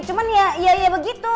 cuman ya begitu